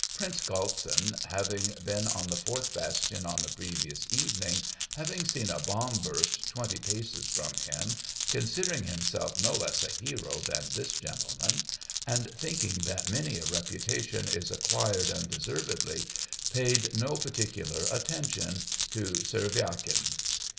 Prince Galtsin, having been on the fourth bastion on the previous evening, having seen a bomb burst twenty paces from him, considering 52 SEVASTOPOL IN MAY. himself no less a hero than this gentleman, and thinking that many a reputation is acquired unde servedly, paid no particular attention to Ser vyagin.